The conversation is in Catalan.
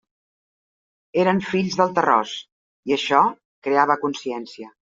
Eren fills del terròs, i això creava consciència.